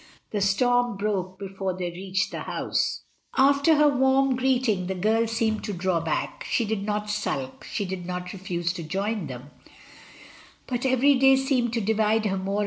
The storm broke before they reached the house. After her first warm greeting the girl seemed to draw back. She did not sulk, she did not refuse to join them, but every day seemed to divide her more 248 MRS. DYMOND.